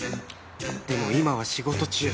でも今は仕事中